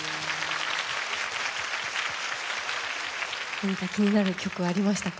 何か気になる曲ありましたか？